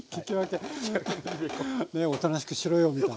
ねおとなしくしろよみたいな。